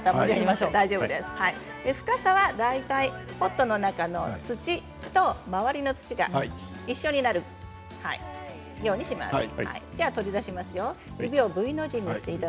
深さは大体ポットの中の土と周りの中の土が一緒になるぐらい。